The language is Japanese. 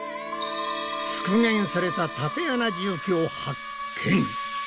復元された竪穴住居を発見！